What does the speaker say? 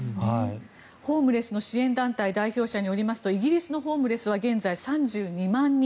ホームレスの支援団体代表者によりますとイギリスのホームレスは現在、３２万人。